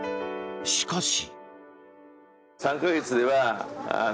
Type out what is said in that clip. しかし。